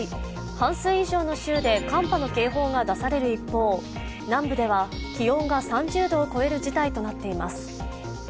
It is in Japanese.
半数以上の州で寒波の警報が出される一方南部では気温が３０度を超える事態となっています。